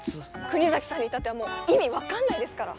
国崎さんに至ってはもう意味分かんないですから。